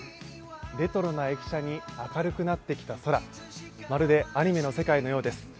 レトロな駅舎に、明るくなってきた空まるでアニメの世界のようです。